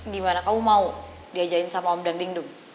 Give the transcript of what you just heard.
gimana kamu mau diajakin sama om dadang dong